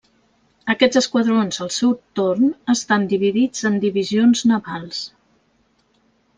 Aquests esquadrons al seu torn estan dividits en divisions navals.